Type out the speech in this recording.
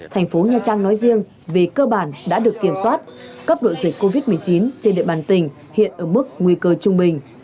thành phố nha trang nói riêng về cơ bản đã được kiểm soát cấp độ dịch covid một mươi chín trên địa bàn tỉnh hiện ở mức nguy cơ trung bình